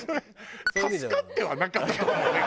助かってはなかったと思うよ。